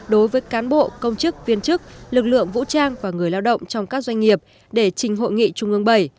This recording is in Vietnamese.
đối với cán bộ công chức viên chức lực lượng vũ trang và người lao động trong các doanh nghiệp để trình hội nghị trung ương bảy